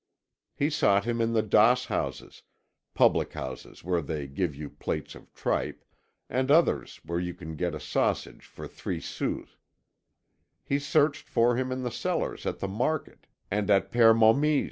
He sought him in the doss houses, public houses where they give you plates of tripe, and others where you can get a sausage for three sous; he searched for him in the cellars at the Market and at Père Momie's.